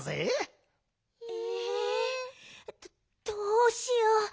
どどうしよう？